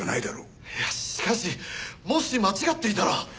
いやしかしもし間違っていたら。